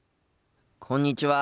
こんにちは。